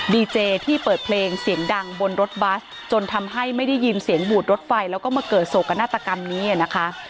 ดีเจที่เปิดเพลงเสียงดังบนรถบัสจนทำให้ไม่ได้ยินเสียงบูดรถไฟแล้วก็มาเกิดโศกนาฏกรรมนี้นะคะ